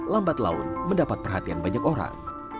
lambat laun mendapat perhatian banyak orang